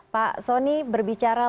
pak sonny berbicara lagi